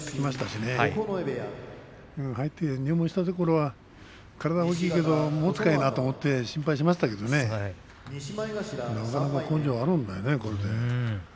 入門したころは体が大きいけどもつかいなと心配しましたけどねなかなか根性あるんだよねこれで。